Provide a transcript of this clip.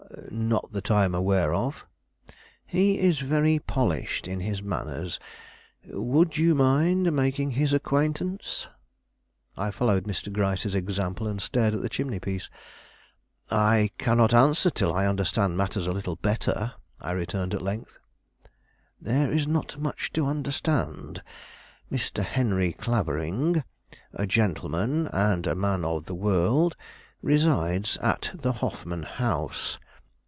"Not that I am aware of." "He is very polished in his manners; would you mind making his acquaintance?" I followed Mr. Gryce's example, and stared at the chimney piece. "I cannot answer till I understand matters a little better," I returned at length. "There is not much to understand. Mr. Henry Clavering, a gentleman and a man of the world, resides at the Hoffman House.